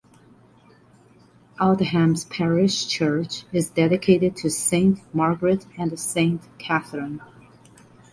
Aldham's parish church is dedicated to Saint Margaret and Saint Catherine.